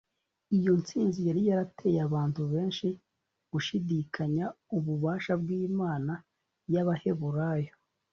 iyo ntsinzi yari yarateye abantu benshi gushidikanya ububasha bw'imana y'abaheburayo